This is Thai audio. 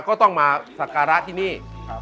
ก็ต้องมาสักการะที่นี่